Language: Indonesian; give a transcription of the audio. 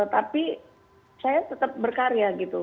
tapi saya tetap berkarya gitu